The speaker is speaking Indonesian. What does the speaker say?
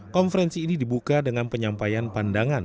konferensi ini dibuka dengan penyampaian pandangan